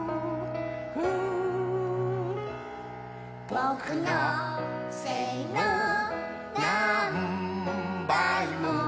「ぼくのせいのなんばいも」